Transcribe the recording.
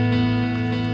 oke sampai jumpa